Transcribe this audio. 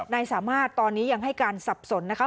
นายสามารถตอนนี้ยังให้การสับสนนะคะ